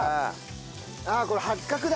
あこれ八角だ。